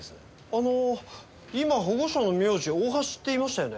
あの今保護者の名字大橋って言いましたよね？